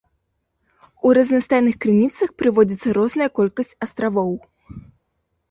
У разнастайных крыніцах прыводзіцца розная колькасць астравоў.